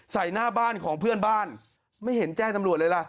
หน้าบ้านของเพื่อนบ้านไม่เห็นแจ้งตำรวจเลยล่ะ